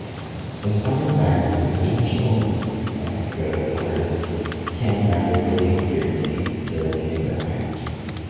In some environments, conventional fresco colours can rapidly accumulate dirt and grime.